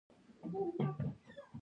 له ښار نقشې سره له مېلمستونه راووتلو.